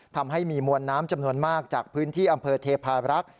ทำให้มีมวลน้ำจำนวนมากจากพื้นที่อำเภอเทพารักษ์